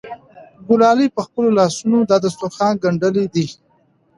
ګلالۍ په خپلو لاسونو دا دسترخوان ګنډلی دی.